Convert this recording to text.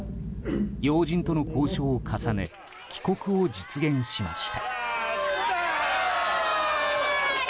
要人との交渉を重ね帰国を実現しました。